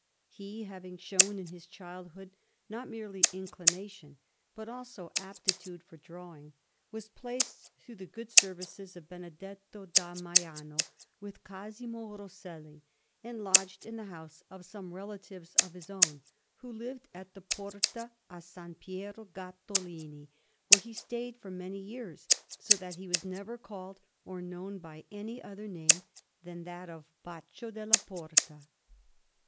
He, having shown in his childhood not merely inclination, but also aptitude, for drawing, was placed, through the good services of Benedetto da Maiano, with Cosimo Rosselli, and lodged in the house of some relatives of his own, who lived at the Porta a S. Piero Gattolini; where he stayed for many years, so that he was never called or known by any other name than that of Baccio della Porta.